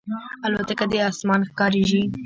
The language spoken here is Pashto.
الوتکه د اسمان ښکاریږي.